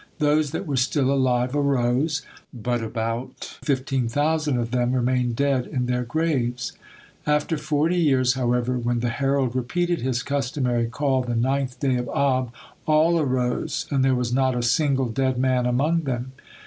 Those that were still alive arose, but about fifteen thousand of them remained dead in their graves. After forty years, however, when the herald repeated his customary call the ninth day of Ab, all arose, and there was not a single dead man among them.